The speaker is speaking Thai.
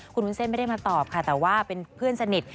คุณวุ้นเส้นไม่ได้มาตอบค่ะแต่ว่าเป็นเพื่อนสนิท